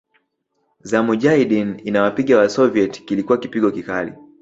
za Mujahideen inawapiga Wasoviet Kilikuwa kipigo kikali